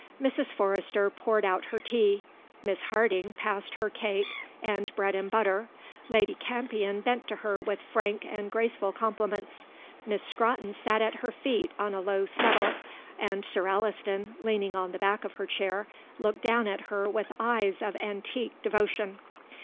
Mrs. Forrester poured out her tea, Miss Harding passed her cake and bread and butter, Lady Campion bent to her with frank and graceful compliments, Miss Scrotton sat at her feet on a low settle, and Sir Alliston, leaning on the back of her chair, looked down at her with eyes of antique devotion.